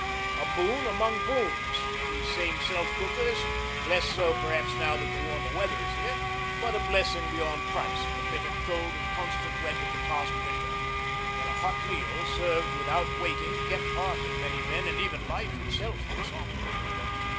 A boon among boons these same cookers, less so perhaps now that the warmer weather is here, but a blessing beyond price in the bitter cold and constant wet of the past winter, when a hot meal served without waiting kept heart in many men and even life itself in some.